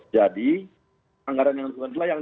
jadi anggaran yang sudah dianggarkan